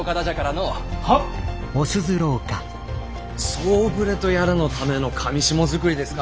「総触れ」とやらのための裃づくりですか。